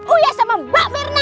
uya sama mbak mirna